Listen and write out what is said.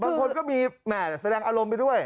บางคนก็มีแสดงอารมณ์ไปด้วย